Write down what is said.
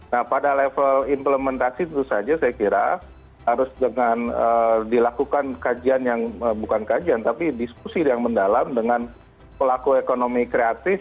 nah pada level implementasi tentu saja saya kira harus dengan dilakukan kajian yang bukan kajian tapi diskusi yang mendalam dengan pelaku ekonomi kreatif